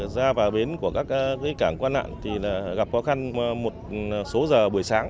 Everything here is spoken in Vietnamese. ra và bến của các cảng quan nạn gặp khó khăn một số giờ buổi sáng